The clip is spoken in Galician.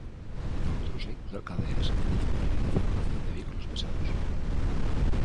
Noutros hai que usar cadeas e teñen prohibida a circulación de vehículos pesados.